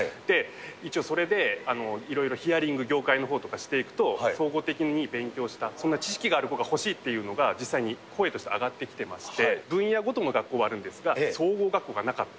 一応それで、いろいろヒアリング、業界のほうとかしていくと、総合的に勉強した、そんな知識がある子が欲しいっていうのが、実際に声として上がってきてまして、分野ごとの学校はあるんですが、総合学校がなかった。